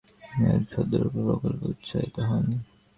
তিনি Sagrada familiar passion এর ছদ্মরূপের প্রকল্পে উৎসাহিত হন।